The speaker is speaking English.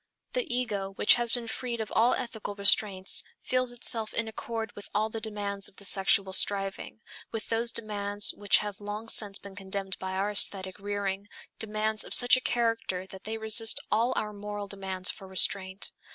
The ego which has been freed of all ethical restraints feels itself in accord with all the demands of the sexual striving, with those demands which have long since been condemned by our aesthetic rearing, demands of such a character that they resist all our moral demands for restraint.